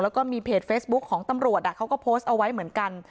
แล้วก็มีเพจเฟซบุ๊คของตำรวจเขาก็โพสต์เอาไว้เหมือนกัน